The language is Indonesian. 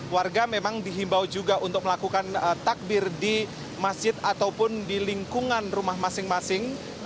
warga memang dihimbau juga untuk melakukan takbir di masjid ataupun di lingkungan rumah masing masing